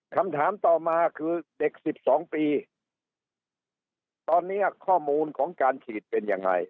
คำถามต่อมาคือเด็ก๑๒ปีตอนนี้ข้อมูลของการฉีดเป็นยังไง